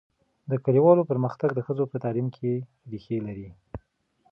د کلیوالو پرمختګ د ښځو په تعلیم کې ریښې لري.